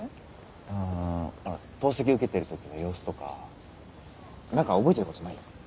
あほら透析受けてる時の様子とか何か覚えてることない？